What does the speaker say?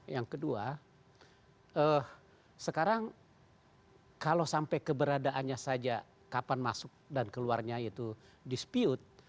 yang kedua sekarang kalau sampai keberadaannya saja kapan masuk dan keluarnya itu dispute